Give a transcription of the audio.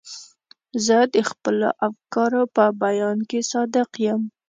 زه د خپلو افکارو په بیان کې صادق یم.